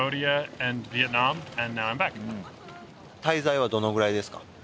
滞在はどのくらいですか？